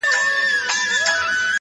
هره پوښتنه د حقیقت لور ته ګام دی’